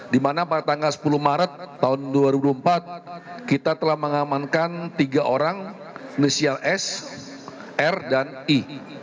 di mana pada tanggal sepuluh maret tahun dua ribu empat kita telah mengamankan tiga orang inisial s r dan i